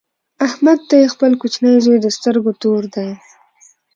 احمد ته یې خپل کوچنۍ زوی د سترګو تور دی.